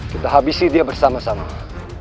kita habisi dia bersama sama